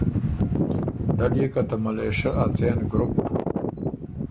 دل يې که ته ملېشۀ ا څېن ګروپ